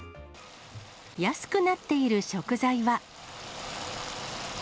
安くなっている食材は。